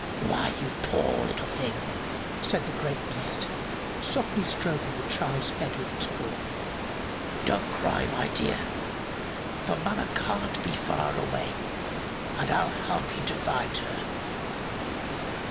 "Why, you poor little thing," said the great beast, softly stroking the child's head with its paw. "Don't cry, my dear, for mamma can't be far away and I'll help you to find her."